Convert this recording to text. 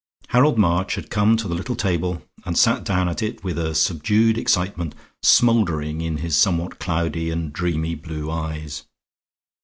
Harold March had come to the little table and sat down at it with a subdued excitement smoldering in his somewhat cloudy and dreamy blue eyes.